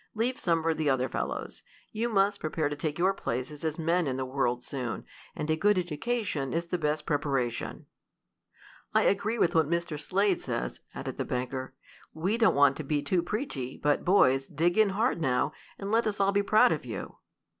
Leave some for the other fellows. You must prepare to take your places as men in the world soon, and a good education is the best preparation." "I agree with what Mr. Slade says," added the banker. "We don't want to be too preachy, but, boys, dig in hard now, and let us all be proud of you."